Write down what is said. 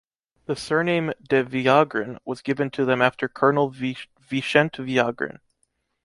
The surname ‘de Villagrán’ was given to them after colonel Vicente Villagrán.